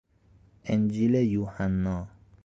انجیل یوحنا